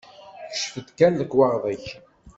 Kcef-d kan lekwaɣeḍ-ik.